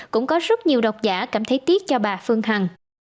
cũng có rất nhiều độc giả cảm thấy tiếc cho bà phương hằng